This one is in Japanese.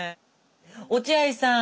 落合さん